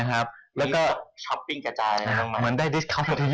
แต่ปีนี้แน่